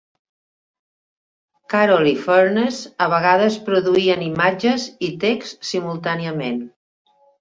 Carroll i Furniss a vegades produïen imatges i text simultàniament.